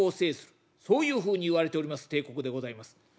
そういうふうに言われております帝国でございます」。